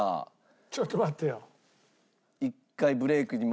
ちょっと待ってよ。